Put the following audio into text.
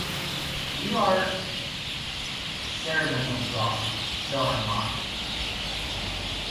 You are servant of God, so am I.